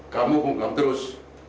kamu bungkam terus